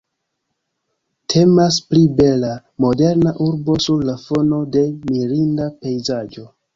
Temas pri bela, moderna urbo sur la fono de mirinda pejzaĝo.